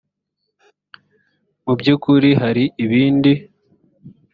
mu by ukuri hari ibindi